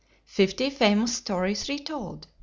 FIFTY FAMOUS STORIES RETOLD.